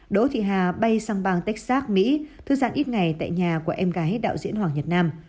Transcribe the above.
đỗ thị hà bay sang bang texac mỹ thư giãn ít ngày tại nhà của em gái đạo diễn hoàng nhật nam